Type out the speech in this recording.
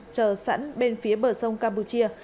chở sẵn bên phía bờ sông campuchia